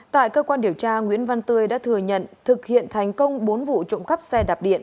tại cơ quan điều tra nguyễn văn tươi đã thừa nhận thực hiện thành công bốn vụ trộm cắp xe đạp điện